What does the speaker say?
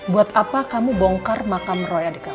buat apa kamu bongkar makam roy adik kamu